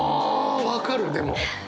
分かるでも。